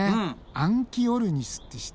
アンキオルニスって知ってる？